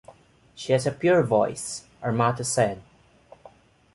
"She has a pure voice," Armato said.